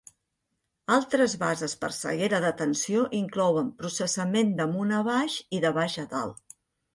Altres bases per ceguera d'atenció inclouen processament d'amunt a baix i de baix a dalt.